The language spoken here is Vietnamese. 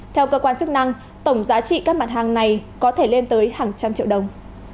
theo cơ quan chức năng tổng giá trị các mặt hàng này có thể lên tới hàng trăm triệu đồng